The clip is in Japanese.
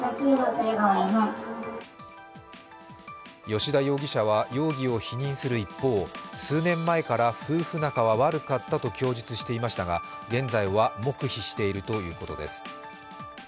吉田容疑者は容疑を否認する一方、数年前から夫婦仲は悪かったと供述していましたが、現在は黙秘しているということです。